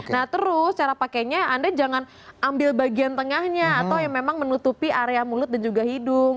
nah terus cara pakainya anda jangan ambil bagian tengahnya atau yang memang menutupi area mulut dan juga hidung